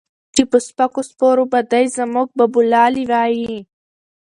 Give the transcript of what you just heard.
چې پۀ سپکو سپورو به دے زمونږ بابولالې وائي